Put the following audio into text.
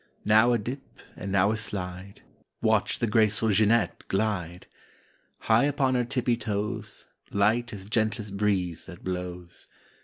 Now a dip and now a slide— Watch the graceful Jeanette glide! High upon her tippy toes, Light as gentlest breeze that blows.